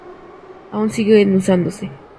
Aún siguen usándose.